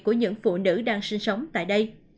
của những phụ nữ đang sinh sống tại đây